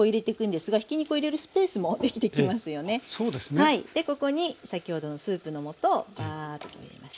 はいでここに先ほどのスープのもとをバーッと入れます。